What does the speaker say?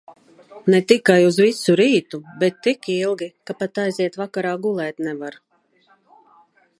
Ne tikai uz visu rītu, bet tik ilgi, ka pat aiziet vakarā gulēt nevar.